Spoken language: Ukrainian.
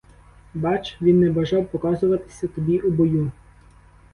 Бач, він не бажав показуватися тобі у бою.